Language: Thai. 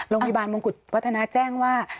โรงพยาบาลมงกุฎวัฒนาแจ้งว่า